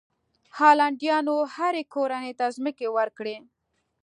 هالنډیانو هرې کورنۍ ته ځمکې ورکړې.